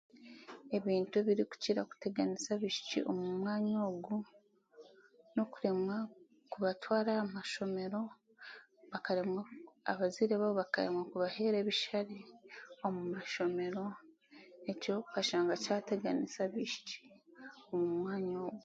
Ebintu ebiri kukira kuteganiisa abaishiki omu mwanya ogu, n'okuremwa kubatwara aha mashomero abaziire baabo b'akaremwa kubaheera ebishaare omu mashomero, ekyo okashanga kyateganisa abaishiki.